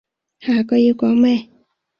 下句要講咩？